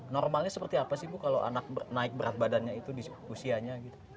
normalnya seperti apa sih bu kalau anak naik berat badannya itu di usianya